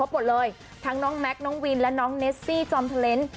หมดเลยทั้งน้องแม็กซน้องวินและน้องเนสซี่จอมเทอร์เลนส์